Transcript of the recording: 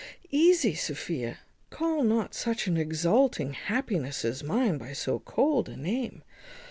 "Easy! Sophia, call not such an exulting happiness as mine by so cold a name.